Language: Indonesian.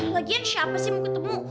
lagian siapa sih mau ketemu